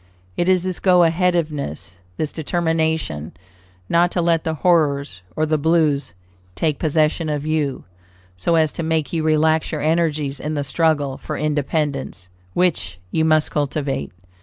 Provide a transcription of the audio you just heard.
It is this go aheaditiveness, this determination not to let the "horrors" or the "blues" take possession of you, so as to make you relax your energies in the struggle for independence, which you must cultivate.